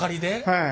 はい。